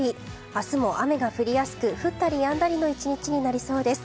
明日も雨が降りやすく降ったりやんだりの１日になりそうです。